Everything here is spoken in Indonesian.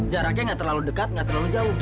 jaraknya nggak terlalu dekat nggak terlalu jauh